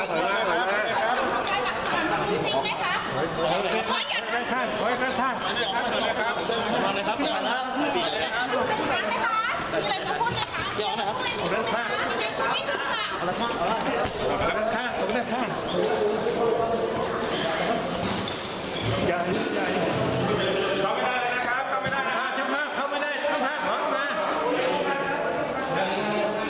เข้าไปได้